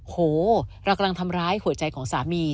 โหเรากำลังทำร้ายหัวใจของสามี